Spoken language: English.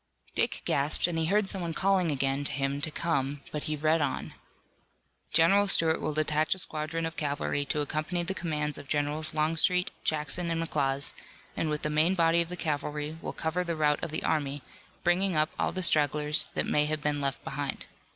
Dick gasped and he heard someone calling again to him to come, but he read on: General Stuart will detach a squadron of cavalry to accompany the commands of Generals Longstreet, Jackson and McLaws, and with the main body of the cavalry will cover the route of the army, bringing up all the stragglers that may have been left behind.